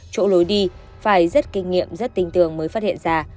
chỗ lối đi phải rất kinh nghiệm rất tinh tường mới phát hiện ra